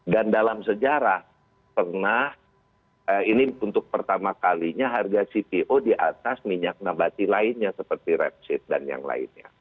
dan dalam sejarah pernah ini untuk pertama kalinya harga cpo di atas minyak nabati lainnya seperti repsid dan yang lainnya